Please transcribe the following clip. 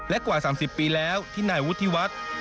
และกว่า๓๐ปีแล้วที่นายวุฒิวัฒน์